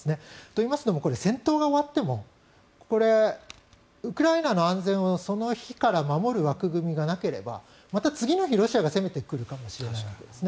といいますのも戦闘が終わってもウクライナの安全をその日から守る枠組みがなければまた次の日ロシアが攻めてくるかもしれないわけです